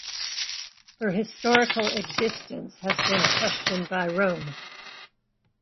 Her historical existence has been questioned by Rome.